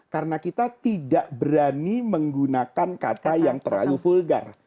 karena kita tidak berani menggunakan kata yang terlalu vulgar